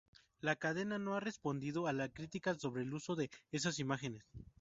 La cadena no ha respondido a la crítica sobre el uso de esas imágenes.